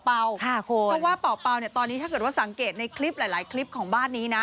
เพราะว่าเป่าเนี่ยตอนนี้ถ้าเกิดว่าสังเกตในคลิปหลายคลิปของบ้านนี้นะ